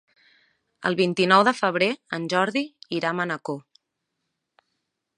El vint-i-nou de febrer en Jordi irà a Manacor.